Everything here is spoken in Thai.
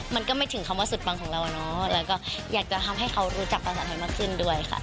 มันก็ไม่ถึงคำว่าสุดปังของเราอะเนาะแล้วก็อยากจะทำให้เขารู้จักภาษาไทยมากขึ้นด้วยค่ะ